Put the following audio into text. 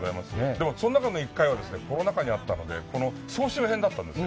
でも、そのときの１回はコロナ禍にあったので総集編だったんですよ。